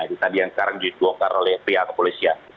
jadi tadi yang sekarang diwakili oleh pria kepolisian